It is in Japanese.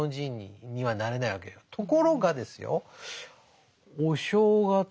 ところがですよお正月